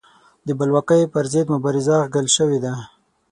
د بلواکۍ پر ضد مبارزه اغږل شوې ده.